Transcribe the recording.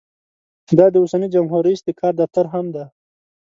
دا د اوسني جمهور رییس د کار دفتر هم دی.